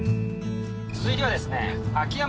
続いてはですね。